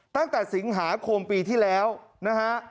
ตั้งแต่สิงหาคมปีที่แล้วนะฮะ